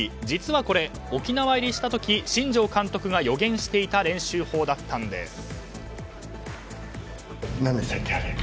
実はこれ、沖縄入りした時新庄監督が予言していた練習法だったんです。